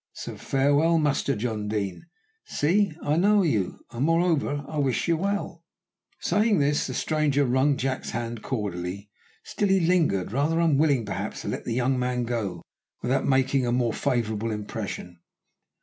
So farewell, Master John Deane: you see I know you, and moreover I wish you well." Saying this, the stranger wrung Jack's hand cordially. Still he lingered, rather unwilling perhaps to let the young man go without making a more favourable impression.